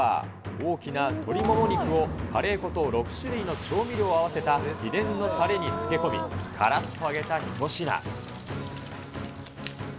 大きな鶏もも肉をカレー粉と６種類の調味料を合わせた秘伝のたれに漬け込み、からっと揚げた一品。